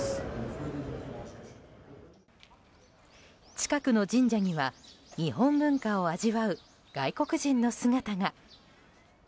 近くの神社には日本文化を味わう外国人の姿が。